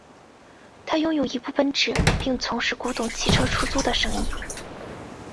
他拥有一部奔驰并从事古董汽车出租的生意。